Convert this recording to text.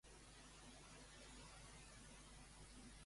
Pacheco demana a les empreses que esperin per veure com avança la situació.